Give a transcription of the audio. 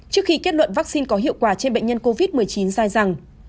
trước khi kết luận vaccine có hiệu quả trên bệnh nhân covid một mươi chín dài rằng